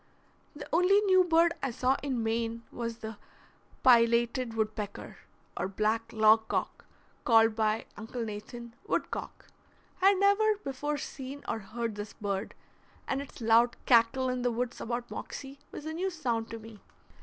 The only new bird I saw in Maine was the pileated woodpecker, or black "log cock," called by Uncle Nathan "wood cock." I had never before seen or heard this bird, and its loud cackle in the woods about Moxie was a new sound to me.